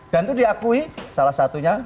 dan itu diakui salah satunya